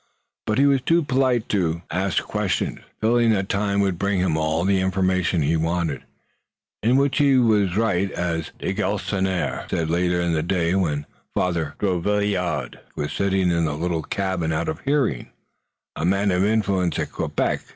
But he was too polite to ask questions, feeling that time would bring him all the information he wanted, in which he was right, as de Galisonnière said later in the day when Father Drouillard was sitting in the little cabin out of hearing: "A man of influence at Quebec.